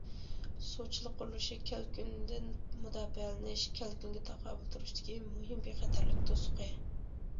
سۇچىلىق قۇرۇلۇشى كەلكۈندىن مۇداپىئەلىنىش، كەلكۈنگە تاقابىل تۇرۇشتىكى مۇھىم بىخەتەرلىك« توسۇقى».